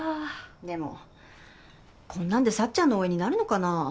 でもこんなんで幸ちゃんの応援になるのかな？